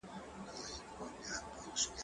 کېدای سي شګه ناپاکه وي